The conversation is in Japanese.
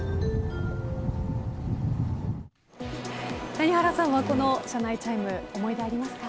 谷原さんはこの車内チャイム思い出ありますか。